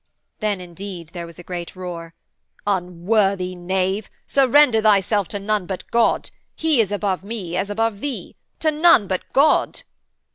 Then, indeed, there was a great roar: 'Unworthy knave; surrender thyself to none but God. He is above me as above thee. To none but God.'